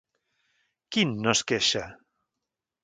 Quin no es queixa?